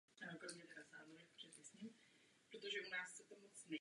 Z toho důvodu zvláště vítám příklad statečnosti dělníků v docích.